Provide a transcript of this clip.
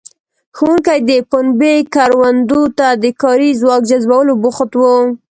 ښوونکي د پنبې کروندو ته د کاري ځواک جذبولو بوخت وو.